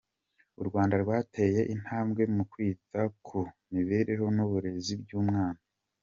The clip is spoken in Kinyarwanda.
U Rwanda rwateye intambwe mu kwita ku mibereho n’uburezi by’umwana.